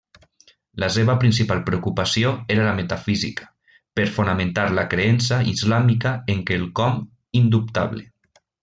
La seva principal preocupació era la metafísica, per fonamentar la creença islàmica en quelcom indubtable.